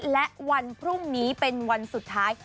และวันพรุ่งนี้เป็นวันสุดท้าย